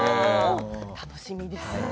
楽しみです。